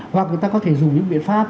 hoặc người ta có thể dùng những biện pháp